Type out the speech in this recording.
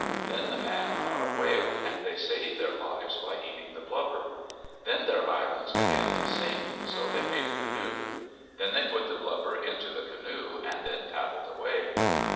Then the man caught a whale and they saved their lives by eating the blubber. Then their island began to sink, so they made a canoe. They put the blubber into the canoe and then paddled away.